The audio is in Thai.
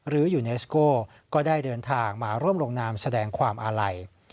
และร่วมลงนามแสดงความอาลัย